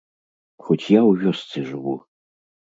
Хоць я ў вёсцы жыву.